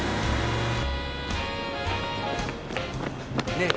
ねえ。